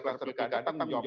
tanggung jawab paslon